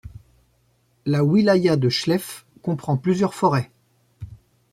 La wilaya de Chlef comprend plusieurs forêts.